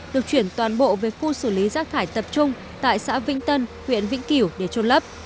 được chuyển toàn bộ về khu xử lý rác thải tập trung tại xã vĩnh tân huyện vĩnh kiểu để trôn lấp